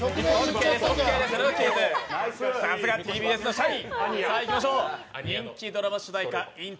さすがＴＢＳの社員！